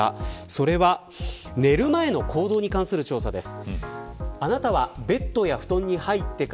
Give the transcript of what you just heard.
それは、寝る前の行動に関する調査です。